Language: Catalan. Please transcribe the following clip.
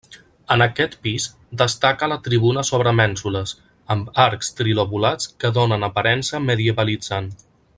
En aquest pis destaca la tribuna sobre mènsules, amb arcs trilobulats que donen aparença medievalitzant.